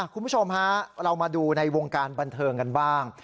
คุณผู้ชมฮะเรามาดูในวงการบันเทิงกันบ้าง